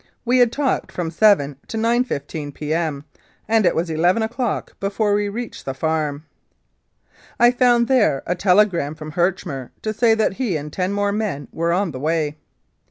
We had talked from 7 to 9.15 P.M., and it was eleven o'clock before we reached the farm. I found there a telegram from Herchmer to say that he and ten more men were on the way.